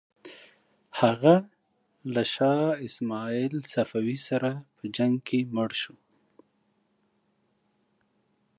هغه له شاه اسماعیل صفوي سره په جنګ کې مړ شو.